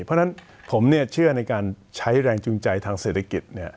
เพราะฉะนั้นผมเชื่อในการใช้แรงจูงใจทางเศรษฐกิจ